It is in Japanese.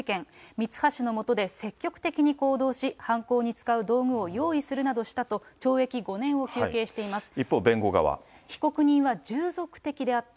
ミツハシの下で積極的に行動し、犯行に使う道具を用意するなどしたと、一方、被告人は従属的であった。